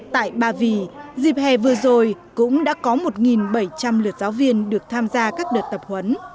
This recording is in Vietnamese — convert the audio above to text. tại ba vì dịp hè vừa rồi cũng đã có một bảy trăm linh lượt giáo viên được tham gia các đợt tập huấn